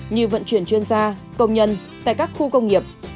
như vận chuyển chuyên gia công nhân tại các khu công nghiệp